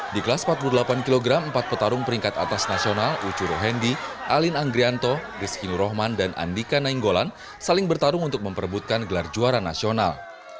di kelas empat puluh delapan kg empat petarung peringkat atas nasional ucuro hendi alin anggrianto rizky nurohman dan andika nainggolan saling bertarung untuk memperebutkan gelar juara nasional